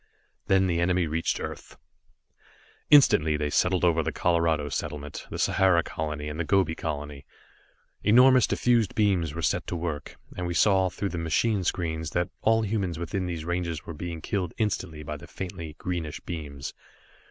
Then the enemy reached Earth. Instantly they settled over the Colorado settlement, the Sahara colony, and the Gobi colony. Enormous, diffused beams were set to work, and we saw, through the machine screens, that all humans within these ranges were being killed instantly by the faintly greenish beams.